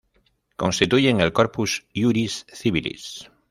Constituyen el "Corpus iuris civilis".